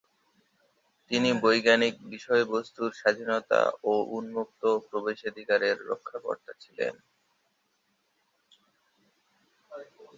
তিনি বৈজ্ঞানিক বিষয়বস্তুর স্বাধীন ও উন্মুক্ত প্রবেশাধিকারের রক্ষাকর্তা ছিলেন।